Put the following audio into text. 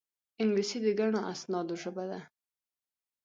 انګلیسي د ګڼو اسنادو ژبه ده